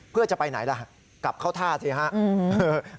เพื่อจะไปไหนล่ะกลับเข้าท่าสิครับ